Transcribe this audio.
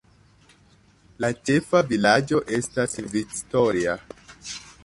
La ĉefa vilaĝo estas Victoria.